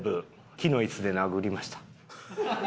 木の椅子で殴りました。